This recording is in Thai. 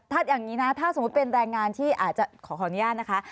ถ้าอย่างนี้นะถ้าสมมุติเป็นแรงงานที่อาจจะขออนุญาตนะคะ